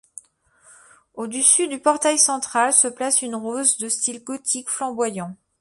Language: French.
Au-dessus du portail central se place une rose de style gothique flamboyant.